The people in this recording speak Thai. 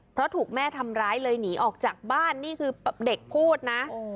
เพราะถูกแม่ทำร้ายเลยหนีออกจากบ้านนี่คือเด็กพูดนะ